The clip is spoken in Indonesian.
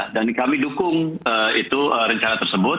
dan kami dukung itu rencana tersebut